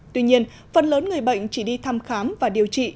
tuy nhiên phần lớn người bệnh chỉ đi thăm khám và điều trị